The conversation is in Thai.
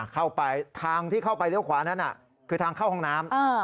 เข้าไปทางที่เข้าไปเลี้ยวขวานั้นคือทางเข้าห้องน้ำ